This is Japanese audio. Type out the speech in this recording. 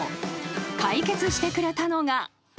［解決してくれたのが］